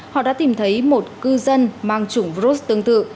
họ đã tìm thấy một cư dân mang chủng virus tương tự